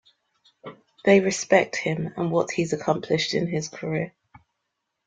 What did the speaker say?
They respect him and what he's accomplished in his career.